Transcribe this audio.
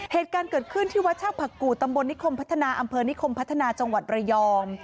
เหตุการณ์เกิดขึ้นที่วัดชากผักกู่ตำบลนิคมพัฒนาอำเภอนิคมพัฒนาจังหวัดระยอง